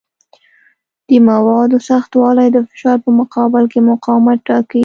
د موادو سختوالی د فشار په مقابل کې مقاومت ټاکي.